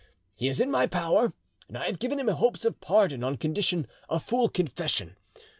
He is in my power, and I have given him hopes of pardon on condition of full confession.